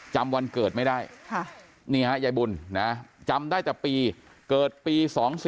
จำวันเกิดไม่ได้นี่ฮะยายบุญนะจำได้แต่ปีเกิดปี๒๔